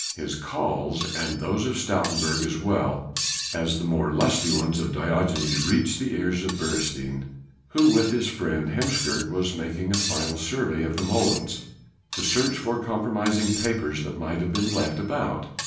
His calls and those of Stoutenburg as well as the more lusty ones of Diogenes reached the ears of Beresteyn, who with his friend Heemskerk was making a final survey of the molens, to search for compromising papers that might have been left about.